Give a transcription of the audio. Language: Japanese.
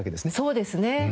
そうですね。